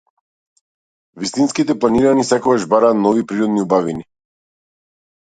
Вистинските планинари секогаш бараат нови природни убавини.